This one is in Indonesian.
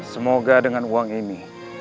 semoga dengan uang ini